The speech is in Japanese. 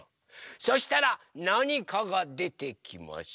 そしたらなにかがでてきます！